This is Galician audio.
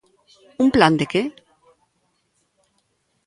¿Un plan de que?